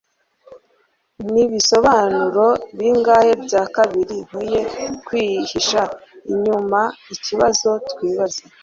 Nibisobanuro bingahe bya kabiri nkwiye kwihisha inyumaikibazo twibaza